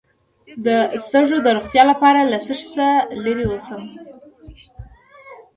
د سږو د روغتیا لپاره له څه شي لرې اوسم؟